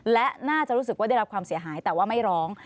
และน่าจะรู้สึกว่าได้รับความเสียหายแต่ว่าไม่ร้อง